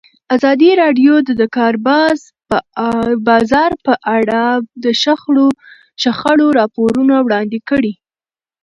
ازادي راډیو د د کار بازار په اړه د شخړو راپورونه وړاندې کړي.